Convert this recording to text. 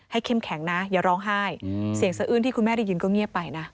เข้มแข็งนะอย่าร้องไห้เสียงสะอื้นที่คุณแม่ได้ยินก็เงียบไปนะ